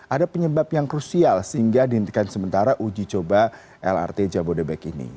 ada penyebab yang krusial sehingga dihentikan sementara uji coba lrt jabodebek ini